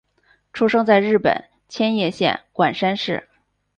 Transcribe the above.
出生在日本千叶县馆山市。